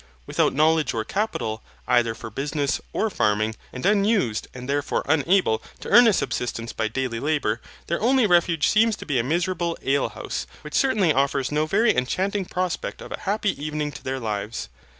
Without knowledge or capital, either for business, or farming, and unused and therefore unable, to earn a subsistence by daily labour, their only refuge seems to be a miserable ale house, which certainly offers no very enchanting prospect of a happy evening to their lives.